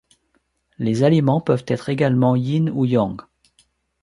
Les aliments peuvent être également yin ou yang.